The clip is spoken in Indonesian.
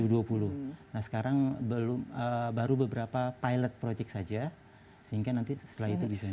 dua ribu dua puluh nah sekarang baru beberapa pilot project saja sehingga nanti setelah itu bisa